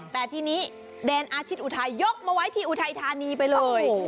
แต่ทีนี้แดนอาทิตย์อุทัยยกมาไว้ที่อุทัยธานีไปเลย